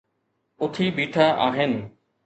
اٿي بيٺا آهن.